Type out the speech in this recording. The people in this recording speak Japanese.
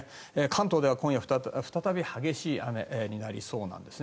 関東では今夜再び激しい雨になりそうなんです。